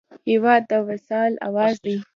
هېواد د وصل اواز دی.